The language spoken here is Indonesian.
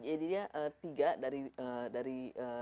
jadi dia tiga dari lima